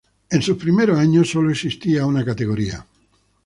En sus primeros años sólo existía una categoría.